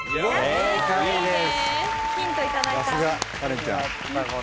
正解です。